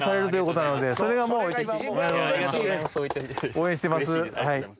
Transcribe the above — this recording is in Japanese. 応援してます。